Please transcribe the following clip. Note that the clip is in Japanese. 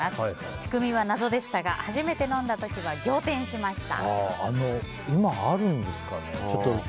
仕組みは謎でしたが初めて飲んだ時は仰天しました。